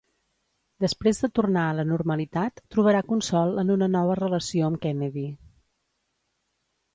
Després de tornar a la normalitat trobarà consol en una nova relació amb Kennedy.